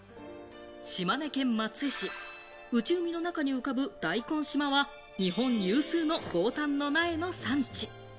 島根県松江市、内海の中に浮かぶ大根島は日本有数の牡丹の苗の産地。